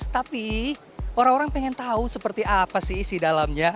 tapi orang orang pengen tahu seperti apa sih isi dalamnya